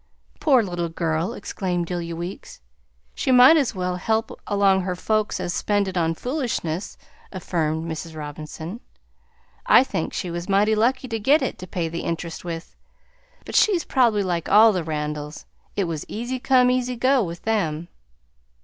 "Poor little girl!" exclaimed Delia Weeks. "She might as well help along her folks as spend it on foolishness," affirmed Mrs. Robinson. "I think she was mighty lucky to git it to pay the interest with, but she's probably like all the Randalls; it was easy come, easy go, with them."